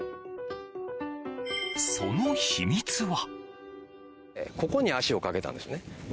その秘密は。